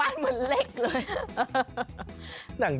เหมือนเล็กเลย